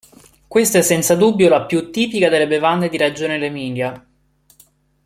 Questa è senza dubbio la più tipica delle bevande di Reggio nell'Emilia.